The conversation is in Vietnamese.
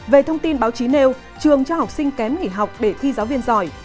về thông tin báo chí nêu trường cho học sinh kém nghỉ học để thi giáo viên giỏi